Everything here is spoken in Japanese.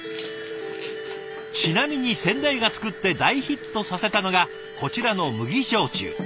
ちなみに先代がつくって大ヒットさせたのがこちらの麦焼酎。